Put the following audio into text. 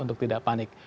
untuk tidak panik